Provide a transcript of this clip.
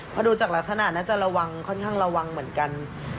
เพราะดูจากลักษณะน่าจะระวังค่อนข้างระวังเหมือนกัน